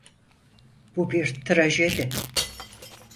Bu bir trajedi.